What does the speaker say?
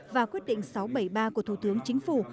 và quyết định sáu trăm bảy mươi ba của thủ tướng chính phủ